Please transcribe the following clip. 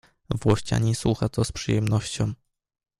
"Włościanin słucha to z przyjemnością“."